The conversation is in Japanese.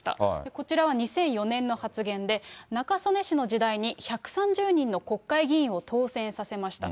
こちらは２００４年の発言で、中曽根氏の時代に１３０人の国会議員を当選させました。